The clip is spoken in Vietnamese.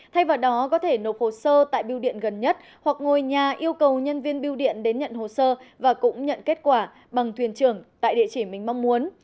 thay vào đó có thể nộp hồ sơ tại biêu điện gần nhất hoặc ngồi nhà yêu cầu nhân viên biêu điện đến nhận hồ sơ và cũng nhận kết quả bằng thuyền trưởng tại địa chỉ mình mong muốn